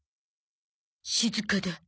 静かだ。